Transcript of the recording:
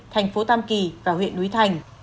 thành phố tam kỳ và huyện núi thành